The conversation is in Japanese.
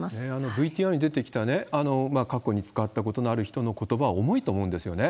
ＶＴＲに出てきたね、過去に使ったことのある人のことばは重いと思うんですよね。